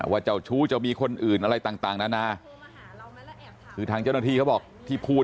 เจ้าชู้จะมีคนอื่นอะไรต่างนานาคือทางเจ้าหน้าที่เขาบอกที่พูด